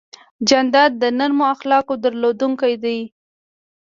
جانداد د نرمو اخلاقو درلودونکی دی.